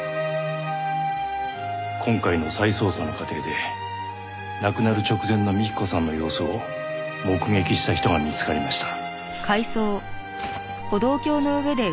今回の再捜査の過程で亡くなる直前の幹子さんの様子を目撃した人が見つかりました。